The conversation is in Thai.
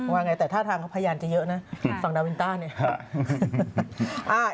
ว่าไงแต่ท่าทางเขาพยายามจะเยอะนะฝั่งดาวินต้าเนี่ย